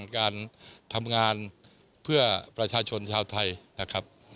การทำงานเพื่อประชาชนชาวไทยนะครับ